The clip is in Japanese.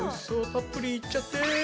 たっぷりいっちゃって。